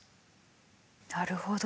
なるほど。